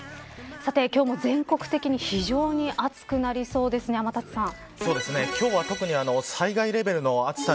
さて、今日も全国的に非常に暑くなりそうですね、天達さん。